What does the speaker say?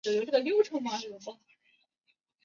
比塔朗伊什是葡萄牙波尔图区的一个堂区。